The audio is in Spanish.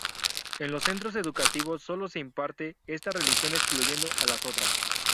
En los centros educativos solo se imparte esta religión excluyendo a las otras.